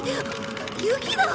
雪だ！